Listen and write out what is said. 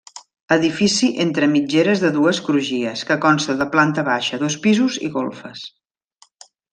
Edifici entre mitgeres de dues crugies, que consta de planta baixa, dos pisos i golfes.